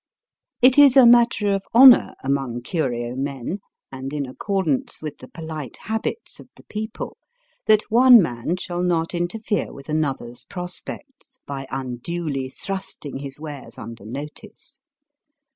It is a matter of honour among curio men, and in accordance with the polite habits of the people, that one man shall not interfere with another's prospects by unduly thrusting his wares under notice.